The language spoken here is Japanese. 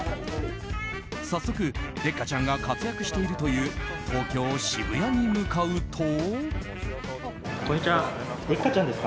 早速、デッカチャンが活躍しているという東京・渋谷に向かうと。